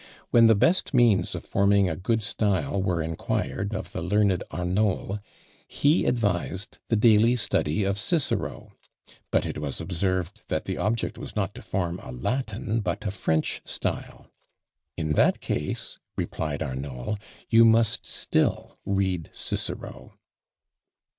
When the best means of forming a good style were inquired of the learned Arnauld, he advised the daily study of Cicero; but it was observed that the object was not to form a Latin, but a French style: "In that case," replied Arnauld, "you must still read Cicero."